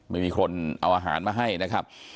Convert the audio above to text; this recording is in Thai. ไม่มีคนเอาอาหารมาให้นะครับ